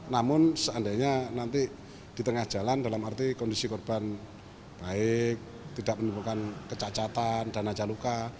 namun seandainya nanti di tengah jalan dalam arti kondisi korban baik tidak menimbulkan kecacatan dan aja luka